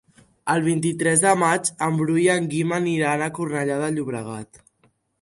El vint-i-tres de maig en Bru i en Guim aniran a Cornellà de Llobregat.